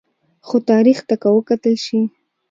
خو تاریخ ته که وکتل شي